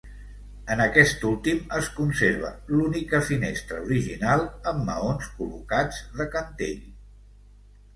En aquest últim es conserva l'única finestra original amb maons col·locats de cantell.